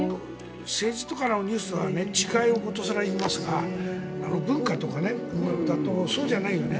政治とかのニュースは違いを殊更に言いますが文化とか歌とかそうじゃないよね。